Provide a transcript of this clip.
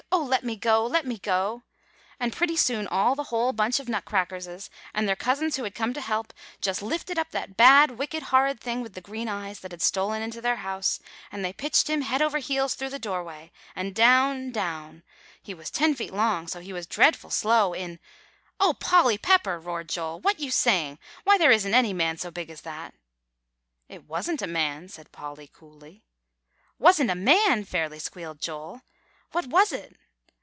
'Oh, let me go! let me go!' And pretty soon all the whole bunch of Nutcrackerses, and their cousins who had come to help, just lifted up that bad, wicked, horrid thing with the green eyes, that had stolen into their house, and they pitched him, head over heels through the doorway, and down down; and he was ten feet long; so he was dreadful slow in" "O Polly Pepper!" roared Joel, "what you saying? why, there isn't any man so big as that." "It wasn't a man," said Polly coolly. "Wasn't a man?" fairly squealed Joel; "what was it?"